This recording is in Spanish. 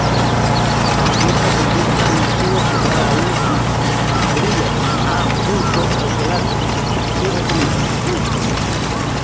Aunque esta conducta no ha sido observada aún en "A. ocellatus".